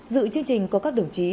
dự chương trình có các đồng chí